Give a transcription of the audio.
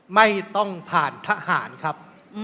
ไม่ต้องผ่านทหารครับ